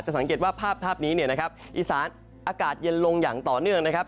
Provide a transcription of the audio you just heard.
สังเกตว่าภาพนี้เนี่ยนะครับอีสานอากาศเย็นลงอย่างต่อเนื่องนะครับ